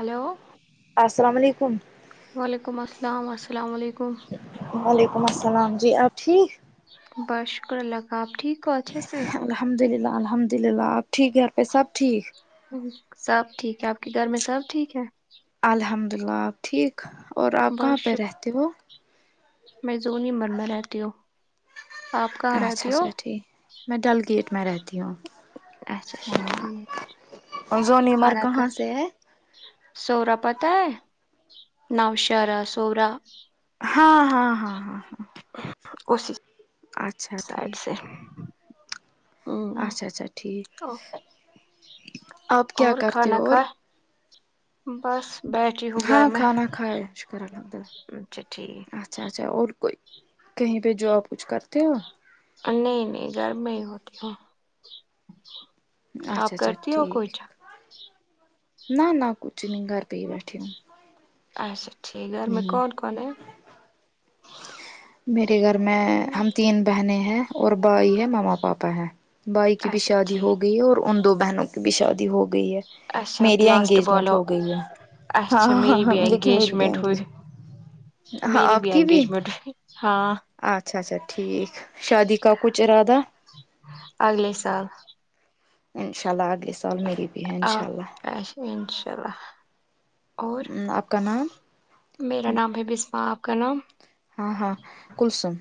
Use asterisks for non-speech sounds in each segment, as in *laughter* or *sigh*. hello السلام علیکم وعلیکم السلام السلام و علیکم وعلیکم السلام جی آپ ٹھیک بس شکر اللہ کا آپ ٹھیک ہو اچھے سے الحمد للہ الحمد للہ آپ ٹھیک گھر پہ سب ٹھیک سب ٹھیک ہے آپ کے گھر میں سب ٹھیک ہے الحمد للہ آپ ٹھیک اور آپ کہاں بس پہ شکر رہتے ہو میں زونی مر میں رہتی ہوں آپ کہاں اچھا رہتی ہو اچھا ٹھیک میں ڈل گیٹ میں رہتی ہوں اچھا اچھا ٹھیک اور زونیمر کھانا کا کہاں سے ہے سوورا پتہ ہے نؤشارا سوورا ہاں ہاں ہاں ہاں کوشش اچھا سیٹ ٹھیک سے ہے اچھا اچھا ٹھیک آپ کیا اور کرتے کھانا ہو اور کھا بس بیٹھ ہاں کھانا کھائے شکر الحم اچھا ٹھیک اچھا اچھا اور کوئی کہیں پہ جاب کچھ کرتے ہو نہیں نہیں *inaudible* آپ اچھا اچھا کرتی ہو ٹھیک کچھ نہ نہ کچھ نہیں گھر پہ ہی بیٹھی ہوں اچھا ٹھیک ہے گھر میں ہوں کون کون ہیں میرے گھر میں ہم تین بہنے ہیں اور بھائی ہے ماما پاپا ہے بھائی کی بھی اچھا شادی ٹھیک ہو گئی ہے اور ان دو بہنوں کی بھی شادی ہو گئی ہے اچھا میری پلاسٹ انگیجمنٹ بالو ہو گئی ہے ہاں اچھا ہاں میری ہاں بھی لیکن میری بھی انگیجمنٹ ہوئی انگیج ہاں میری آپ بھی کی انگیجمنٹ ہوئی ہاں اچھا اچھا ٹھیک شادی ٹھیک کا ہے کچھ ارادہ اگلے سال ان شاء اللہ اگلے سال میری بھی ہے ا انشاء اللہ اھ انشاء اللہ اور آپ کا نام میرا نام ہے بسما آپ کا نام ہاں ہاں کلسم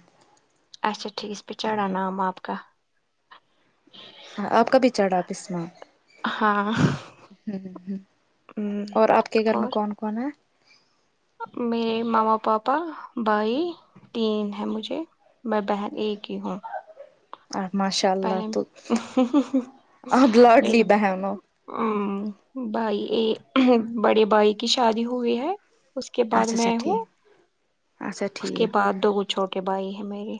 اچھا ٹھیکس ب چران نام آپ کاا آپ کا بھی چڑھا آپ اسم ہاں ہ ہ ہم، اور آپ کے گھر میں اور کون کون ہے میرے ماما پاپا بھائی تین ہے مجھے میں بہن ایک ہی ہوں ماشاء اللہ بہن تو آپ میری لاڈلی بہن ہو ہمم بائی ا بڑے بائی کی شادی ہوئی ہے اس کے بعد اچھا میں اچھا ٹھیک ہوں اچھا اس کے ٹھیک بعد دو چھوٹے بھائی ہیں میری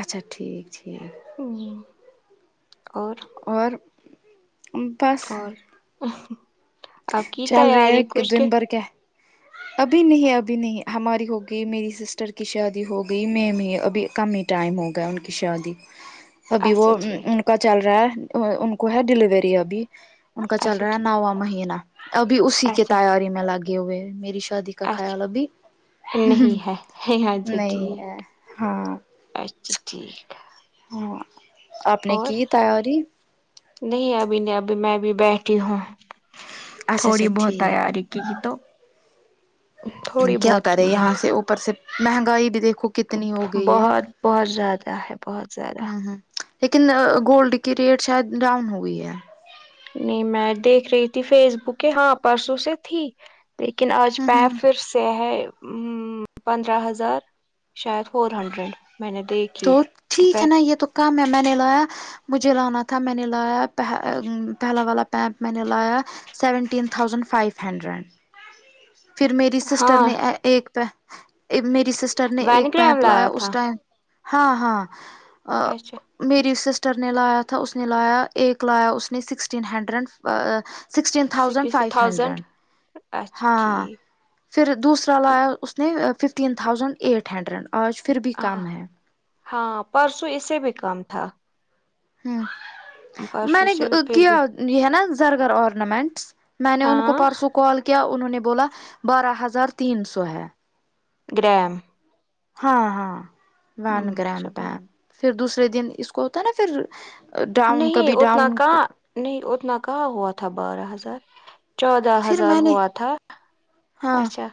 اچھا ٹھیک ٹھیک ہمم اور اور بس اور آپ کی چل تیاری رہے کچھ کے دن بھر کیا ابھی نہیں ابھی نہیں ہماری ہو گئی میری سسٹر کی شادی ہو گئی میں میں ابھی کم ٹائم ہوگیا ان کی شادی ابھی وہ اچھا ٹھیک ان کا چل رہا ہے ان کو ہے ڈلیوری ابھی ان کا چل اچھا رہا ہے ٹھیک نواں مہینہ ابھی اسی کے اچھا تیاری میں لگے ہوئے ہیں میری شادی کا کھیال اچھا ابھی نہیں ہے اچھا نہیں ٹھیک ہاں اچھا ٹھیک ہاں اپ نے اور کی تیاری نہیں ابھی نہیں ابھی میں بھی بیٹھی ہوں اچھا اچھا تھوڑی بہت ٹھیک تیاری کی کی تو تھوڑی کیا بہت کرے کی ہے یہاں سے اوپر سے مہنگائی بھی دیکھو کتنی ہو گئی بہت بہت زیادہ ہے بہت زیادہ ہوں ہوں لیکن گولڈ کی ریٹ شاید ڈاؤن ہوئی ہے نہیں میں دیکھ رہی تھی فیس بک ہاں پرسوں سے تھی لیکن آج ہ ہ میں پھر سے ہے ہ پندرہ ہزار شاید فور ہنڈریڈ میں نے دیکھ تو ٹھیک ہے نا یہ تو کم ہے میں نے لایا مجھے لانا تھا میں نے لایا پہلا والا پیمپ میں نے لایا سیونٹین تھاؤزنڈ فائیف ہنڈریڈ پھر میری سسٹر ہاں نے ایک پ میری سسٹر نے وین ایک گرام پیپ لایا اس تھا ٹائم ہاں ہاں اچھا میری سسٹر نے لایا تھا اس نے لایا ایک لایا اس نے سکسٹین ہنڈریڈڈ با sixteen thousand six five thousand hundred اچھا ہاں ٹھیک پھر دوسرا لایا اس نے ففٹین تھاؤزینڈ ایٹ ہنڈریڈ آج پھر بھی ہاں کم ہے ہاں پرسوں اس سے بھی کام تھا ہوں میں پرسوں نے سے پھر کیا بھی یہ ہے نا زرگر آرنامنٹس میں نے ان کو ہاں پرسوں کال کیا انہوں نے بولا بارہ ہزار تین سو ہے گرم ہاں ہاں ون گرم شباب پم پھر دوسرے دن اس کو ہوتا ہے نا پھر ڈاؤن نہیں کبھی ڈاؤن اتنا کہاں نہیں اتنا کہاں ہوا تھا بارہ ہزار چودودہ پھر ہزار میں نے ہوا تھا ہاں اچھا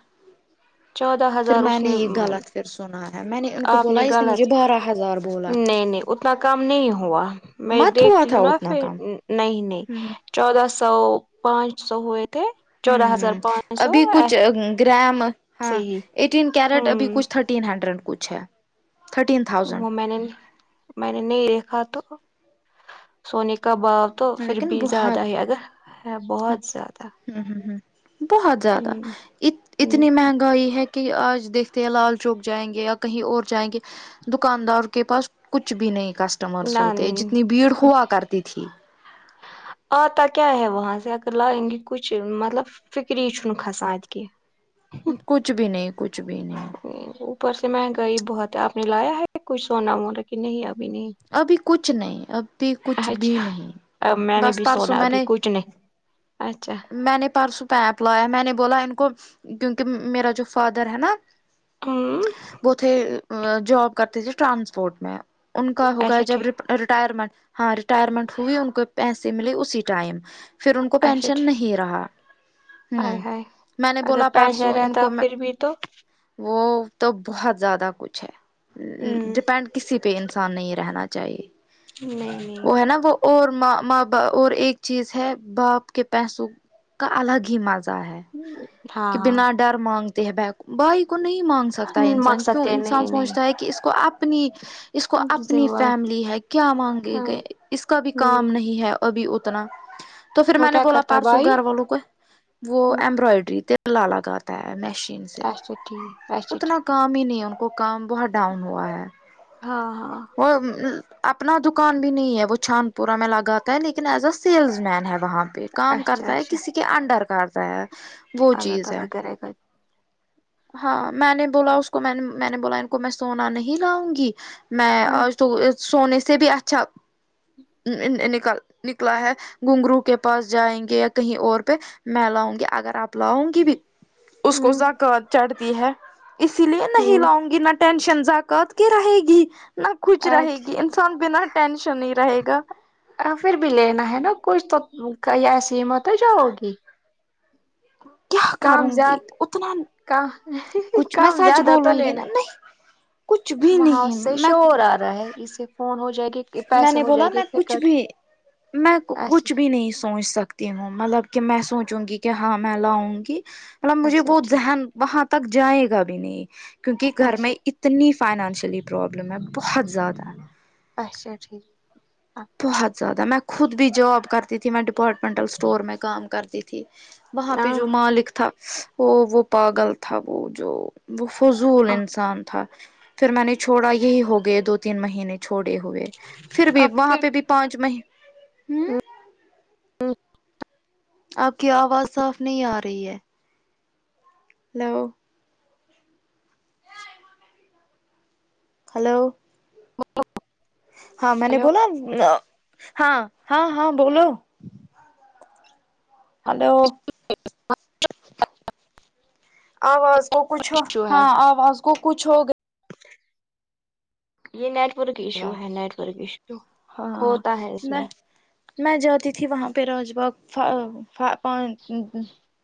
چودہ پھر ہزار میں اس نے یہ غلط پھر سنا ہے میں ان کو آپ بولا نے اس غلط مجھے بارہ ہزار بولا نہیں نہیں اتنا کام نہیں ہوا میں مت ہوا دیکھتی تھا ہوں نا اتنا پھر کم نہیں نہیں ہوں چودہ سو پانچ سو ہو تھے ہوں چودہ ہزار ہوں پانچ سو ابھی کچھ گرام ایسے ہاں ہی ایٹین کیرٹ ابھی ہوں کچھ تھرٹین ہنڈریڈ کچھ ہے تھرٹین وہ تھاؤزینڈ میں نے میں نے نہیں دیکھا تو سونی کا باغ تو پھر لیکن بھی زیادہ بہت ہیگا بہت زیادہ ہ ہ ہ بہت زیادہ ہوں ا ہوں اتنی مہنگائی ہے کہ آج دیکھتے ہیں لال چوک جائیں گے یا کہیں اور جائیں گے دکاندار کے پاس کچھ بھی نہیںئی نہ کسٹمرس ہوتے جتنی بھیڑ ہوا کرتی تھی آتاا کیا ہے وہاں سے اگر لاگ گی کچھ مطلب فکری چ ن کھان اتہ ک کچھ بھی نہیں کچھ بھی نہیں اوپر سے مہنگائی بہت ہے آپ نے لایا ہے کوھ سونا وونا کہ نہیں ابھی نہیں ابھی کچھ نہیں ابھی کچھ بھی اچھا نہیں اب میں نے بس بھی پرسوں سونا میں ابھی نے کچھ نہیں اچھا میں نے پرسو پپ لایا میں نے بولا ان کو کیونکہ میرا جو فادر ہے نا ہ وہ اتے جاب کرتے تھے ٹرانسپورٹ میں ان ہوگا اچھا جب ٹھیک ریٹائرمنٹ ہاں ریٹائرمنٹ ہوئی ان کو پیسے ملے اسی ٹائم پھر ان کو اچھا پینشن ٹھیک نہیں رہا ہائے ہوں ہائے میں نے اگر بولا پرسوں پینشن ان رہتا کو میں پھر بھی تو وہ تو بہت زیادہ کچھ ہ ہے ڈپینڈ کسی پس آان نہیں رہنا چاہیے نہیں نہیں وہ ہے نا وہ اوراں ماں با اور ایک چیز ہے باپ کے پیسوں کا الگ ہی مزہ ہے ہاں کہ ہاں بنا ڈر مانگتے ہیں ب بھائی کو نہیں مانگ سکتا ہے ہاں انسان مقصد کیوں تھے انسان نہیں سوچتا ہے نہیں کہ اس کو اپ اپنی اس کو اپنی ذمہ وار فیملی ہے کیا مانگے ہاں گئے اس کا بھی ہ کام نہیں ہے ابھی اتنا تو پھر وہ میں نے کیا بولا کرتا ہے پرارسو بھائی گھر والوں کو وہ امبرائڈری ت ل لگاتا ہے مشین سے اچھا ٹھیک اچھا اتنا کام ہی نہیں ان کو کام بہت ڈاؤن ٹھیک ہوا ہے ہاں ہاں اور اپنا دکان بھی نہیں ہے وہ چھان پورہ میں لگاتا ہے لیکن ایز ا سیلز مین ہے وہاں کام اچھا کرتا ہے اچھا کسی کے انڈر کرتا ہے وہ اللہ چیز ہے تعالی کرے گا ہاں میں نے بولا اس کو میں نے بولا ان کو میں سونا نہیں لاؤں گی میں آج ہ تو سونے سے بھی اچھا نک نکلا ہے گھنگرو کے پاس جائیں گے یا کہیں اور پہ میں لاں گی اگر آپ لاؤں گی بھی اس کو سک چڑھتی ہے اسی لیے نہیں ہ لاؤں گی نہ ٹینشن ا کر کے رہے گی نہ خوچ ہ رہے گی انسان بنا ٹشن نہیں رہے گا پھر بھی لینا ہے نا کھ تو ایسی ہمت ہے جاؤگی *unintelligible* کام گی زیاد اتنا کا کچھ میں کام سچ زیاد ہو تو بولوں گی لینا نا نہیں کچھ بھی وہاں نہیں سے میں شور آ رہا ہے اسے فون ہو جائے گی میں پیسے نے ہو بولا جائے گے میں پھر کچھ کٹ بھی میں اچھا کچھ بھی نہیں سوچ سک تی ہوں مطلب کہ میں سوچوں گی کہ ہاں میں لاؤں گی مطلب مجھے اچھا بہت ٹھیک ذہن وہاں تک جائے گا بھی نہیں کیونکہ گھر اچھا میں اتنی فائنانشلی پرابلم ہے بہت زیادہ ہے اچھا ٹھیک بہت زیادہ میں خود بھی جاب کرتی تھی میں ڈپارٹمنٹل اسٹور میں کام کرتی تھی وہاں پہ ہاں جو مالک تھا وہ وہ پاگل تھا وہ جو وہ فضول ہاں، انسان تھا پھر میں نے چھوڑا یہی ہوگئے دو تین مہینے چھوڑے ہوئے پھر بھی اب وہاں پھر پہ پانچ ماہ ہوں *unintelligible* آپ کی آواز صاف نہیں آ رہی ہے ہلو ہلو ہاں میں نے ہلو بولا ہاں ہاں ہاں بولو ہلو آواز کو کچھ ایشو ہے ہاں آواز کو کچھ ہوگیا یہ نیٹورک ایشو ہے نیٹ ورک ایشو گیا ہاں ہوتا ہے اس میں میں جاتی تھی وہاں پہ راج باغ ہاں باغ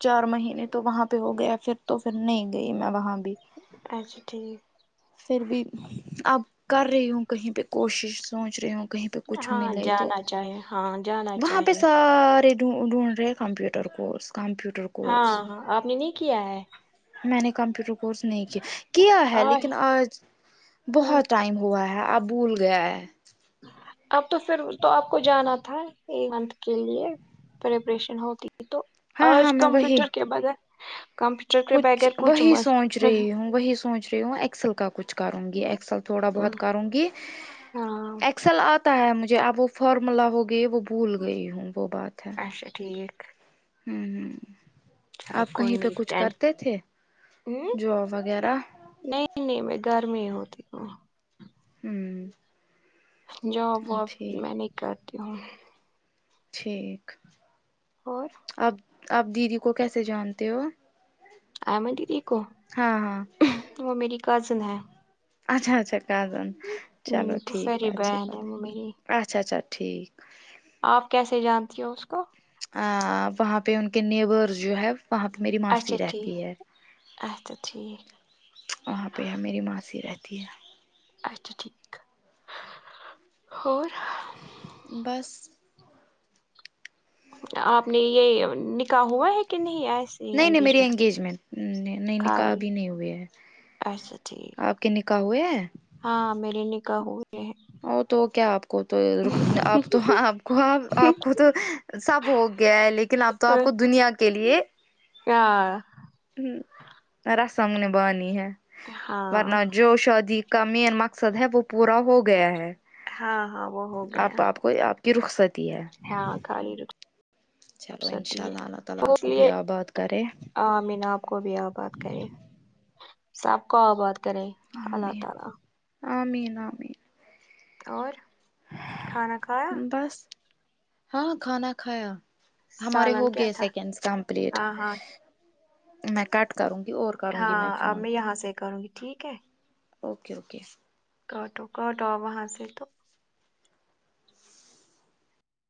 چار مہینے تو وہاں پہ ہو گیا پھر تو پھر نہیں گئی میں وہاں بھی اچھا ٹھیک پھر بھی اب کر رہی ہوں کہیں پہ کوشش سوچ رہی ہوں کہیں پہ تو کچھ ہاں ملے تو جانا چاہیے ہاں جانا وہاں پہ سا چاہیے سارے ڈھونڈ رہے ہیں کمپیوٹر کوس کمپیوٹر ہاں کورس ہاں آپ نے نہیں کیا ہے میں نے کمپیوٹر کورس نہیں کیا کیا ہے لیکن آج آ بہت ٹائم ہووا ہے آب بھول گیا ہے اب تو پھر تو آپ کو جانا تھا ایک منتھ کے لیے پریپریشن ہوتی ہے تو ہاں ہاں آج میں وہی کمپیوٹر کے بغیر کمپیوٹر کے کچھ بغیر وہی مت سوچ رہی ہوں وہی سوچ رہی ہوں ایکسل کا کچھ کروں گی ایکسل تھوڑا بہت کروں گی ہاں ایکسل آتا ہے مجھے اب وہ فارمولا ہوگئی وہ بہ بھول گئی ہوں وہ بات ہے اچھا ٹھیک ہمم ہمم چلو آپ کہیں کوئی پہ نہیں کچھ ٹین کرتے تھے ہوں، جاب وغیرہ نہیں نہیں میں گرمی ہوتی ہوں ہمم جوب وہب میں نہیں کرتی ہوں ٹھیک اور آپ آپ دیدی کو کیسے جانتے ہو آئمن دیدی کو ہاں ہاں وہ میری کزن ہے اچھا اچھا کجن چلو ٹھیک ہے پھوپھیری اچھی بہن بات ہے وہ میری اچھا اچھا ٹھیک آپ کیسے جانتی ہو اس کو ا وہاں پہ ان کے نیبر جو ہے وہاں پہ میری اچھا ماسی ٹھیک رہتی ہے اچھا ٹھیک وہاں پہ ہم میری ماسی رہتی ہے اچھا ٹھیک اور بس آپ نے یہ نکاح ہوا ہے کہ نہیں آج نہیں نہیں میری گیجمینٹ میں انگیجمنٹ نہیں نکاح کال ابھی نہیں ہوئے ہے اچھا ٹھیک آپ کے نکاح ہوئے ہیں ہاں میری نکاح ہوئے ہیں او تو کیا آپ کو تو آپ تو آپ کو آپ کو تو سب ہو گیا ہے لیکن آپ تو آپ کو دنیا کے لیے کیا ہمم رسم نےبانی ہے ہاں ورنہ جو شادی کا مین مقصد ہے وہ پورا ہو گیا ہے ہاں ہاں وہ ہو آپ گیا آپ کو آپ کی رخصتی ہے ہاں خالی چلو رخصتی انشاء ہے اللہ اللہ تعالی آپ اس کو بھی لیے آباد کرے میں سب کو بھی آ بات کرے سب کو آبات آمین آ مین آ مین اور کھانا کھا بس ہاں کھانا کھایا ہمارے سالن کیا ہوگئے تھا سیکنڈ کمپلیٹ ہاں ہاں میں کٹ کروں گی اور کروں گی ہاں اب فون میں یہاں سے کروں گی ٹھیک ہے اوکے اوکے کراٹو کراٹو وہاں سے تو